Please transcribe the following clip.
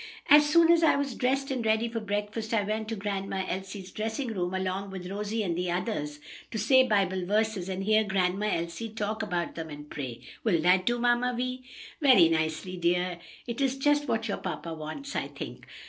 '" "As soon as I was dressed and ready for breakfast, I went to Grandma Elsie's dressing room, along with Rosie and the others, to say Bible verses, and hear Grandma Elsie talk about them and pray. Will that do, Mamma Vi?" "Very nicely, dear; it is just what your papa wants, I think."